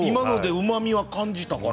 うまみを感じたから。